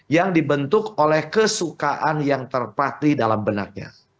yang dibentuk oleh kesukaan yang terpati dalam benaknya